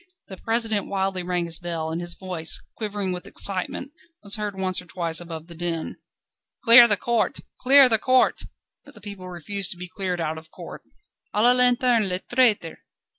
The President wildly rang his bell, and his voice, quivering with excitement, was heard once or twice above the din. "Clear the court! Clear the court!" But the people refused to be cleared out of court. "_A la lanterne les traîtres!